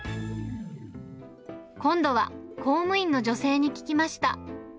今度は公務員の女性に聞きました。